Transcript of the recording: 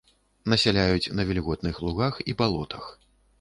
Насяляюць на вільготных лугах і балотах.